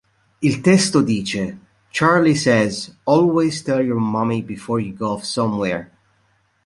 Il testo dice: "Charley says, always tell your mummy before you go off somewhere!".